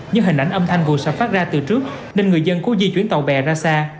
như hình ảnh âm thanh vừa sập phát ra từ trước nên người dân cố di chuyển tàu bè ra xa